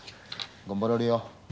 頑張られよ。